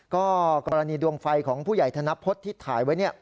ก็กรณีดวงไฟของผู้ใหญ่ธนพฤษที่ถ่ายไว้